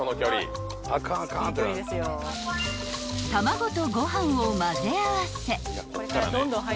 ［卵とご飯を交ぜ合わせ］